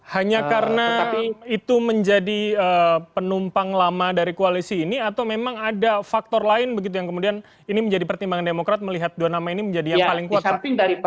hanya karena itu menjadi penumpang lama dari koalisi ini atau memang ada faktor lain begitu yang kemudian ini menjadi pertimbangan demokrat melihat dua nama ini menjadi yang paling kuat